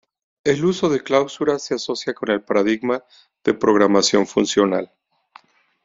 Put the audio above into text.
El uso de clausuras se asocia con el paradigma de programación funcional.